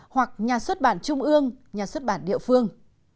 hoặc nhà xuất bản trung ương nhà xuất bản địa phương